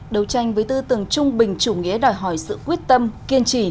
đấu tranh với tư tưởng trung bình chủ nghĩa đòi hỏi sự quyết tâm kiên trì